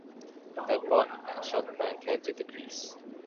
That bought Ashok Mankad to the crease.